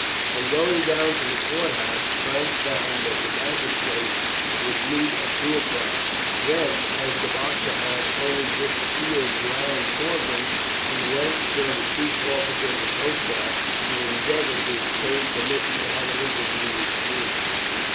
On going down to the court house, Frank found that the magistrates would meet at two o'clock. Then, as the Boxer had only just appeared round Portland, he went and saw the chief officer of the coast guard to endeavour to obtain permission to have an interview with Julian.